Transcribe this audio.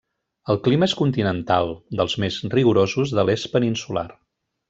El clima és continental, dels més rigorosos de l'est peninsular.